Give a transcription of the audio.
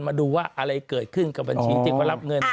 มาดูว่าอะไรเกิดขึ้นกับบัญชีที่เขารับเงิน